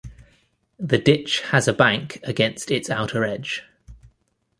The ditch has a bank against its outer edge.